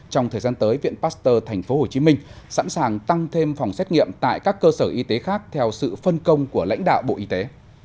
trong thời gian tới viện pasteur tp hcm sẵn sàng tăng thêm phòng xét nghiệm tại các cơ sở y tế khác theo sự phân công của lãnh đạo bộ y tế